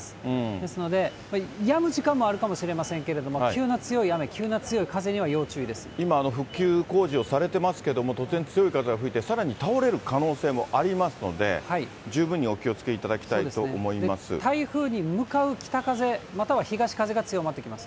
ですので、やむ時間もあるかもしれませんけれども、急な強い雨、今、復旧工事をされてますけれども、当然、強い風が吹いて、さらに倒れる可能性もありますので、十分にお気をつけいただきた台風に向かう北風、または東風が強まってきます。